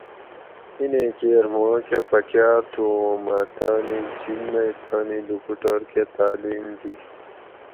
اِینیں کیر مھا کہ پا پکاۤر تھو اوں مۤہ تانی جِب مئی تانی لوکوٹور کہ تعلیم دی